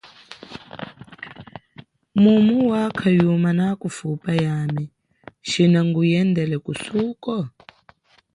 Mumu wakha yuma nakufupa yami shina nguyendele kusuko?